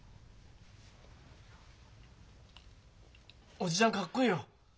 叔父ちゃんかっこいいよ。